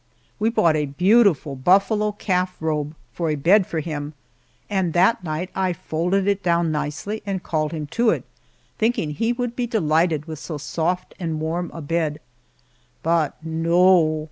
We bought a beautiful buffalo calf robe for a bed for him, and that night I folded it down nicely and called him to it, thinking he would be delighted with so soft and warm a bed. But no!